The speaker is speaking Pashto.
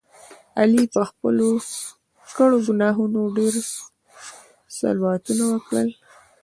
علي په خپلو کړو ګناهونو ډېر صلواتونه وکړل.